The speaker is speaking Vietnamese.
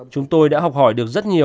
chúng tôi đã học hỏi được rất nhiều